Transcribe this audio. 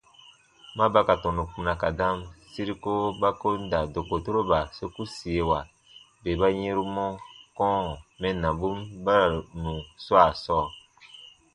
Ma ba ka tɔnu kpuna ka dam, siri kowo ba ko n da dokotoroba sokusiewa bè ba yɛ̃ru mɔ kɔ̃ɔ mɛnnabun baranu swaa sɔɔ.